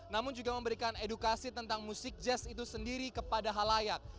namun juga memberikan edukasi tentang musik jazz itu sendiri kepada halayak